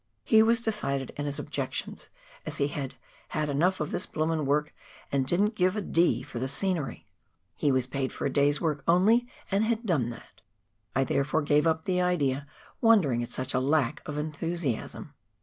He was decided in his objections, as he had " had enough of this blooming work, and didn't give a d for the scenery ; he J _«3 THE FRANZ JOSEF GLACIER. 163 was paid for a day's work only, and had done that." I there fore gave up the idea, wondering at such lack of enthusiasm.